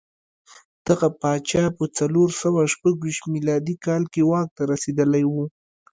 دغه پاچا په څلور سوه شپږ ویشت میلادي کال کې واک ته رسېدلی و